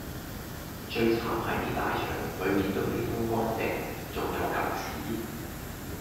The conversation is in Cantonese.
最慘係啲大腸，裡面都未通乾淨，重有嚿屎